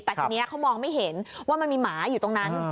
แต่ทีนี้เขามองไม่เห็นว่ามันมีหมาอยู่ตรงนั้น